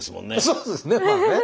そうですねまあね。